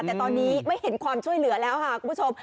แต่ตอนนี้ไม่เห็นความช่วยเหลือแล้วค่ะคุณผู้ชม